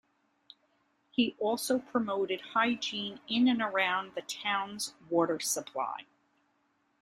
He also promoted hygiene in and around the town's water supply.